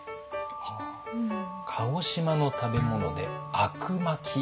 鹿児島の食べ物で「あくまき」といいます。